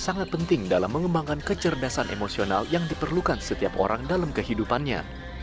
sangat penting dalam mengembangkan kecerdasan emosional yang diperlukan setiap orang dalam kehidupannya